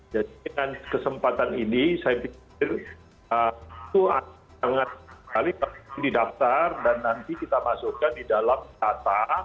jadi dengan kesempatan ini saya pikir itu ada sangat sekali perlu didaftar dan nanti kita masukkan di dalam data